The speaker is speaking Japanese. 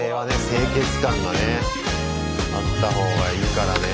清潔感がねあった方がいいからね。